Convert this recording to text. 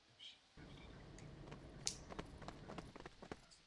Spojení s vlastním městem zajišťuje trajekt.